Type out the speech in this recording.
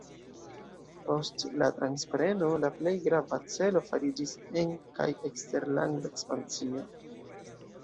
Post la transpreno la plej grava celo fariĝis en- kaj eksterlanda ekspansio.